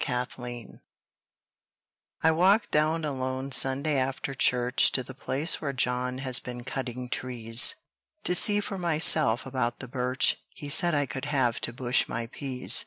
PEA BRUSH I walked down alone Sunday after church To the place where John has been cutting trees To see for myself about the birch He said I could have to bush my peas.